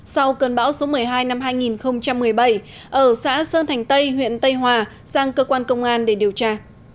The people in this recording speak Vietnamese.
sau cơn bão số một mươi hai năm hai nghìn một mươi bảy ở xã sơn thành tây huyện tây hòa sang cơ quan công an để điều tra